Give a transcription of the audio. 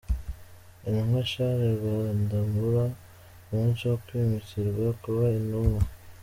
Intumwa Charles Rwandamura k'umunsi wo kwimikirwa kuba Intumwa.